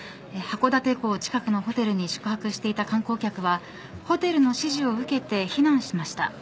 函館港近くのホテルに宿泊していた観光客はホテルの指示を受けて避難しました。